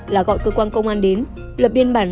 là gọi cơ quan công an đến lập biên bản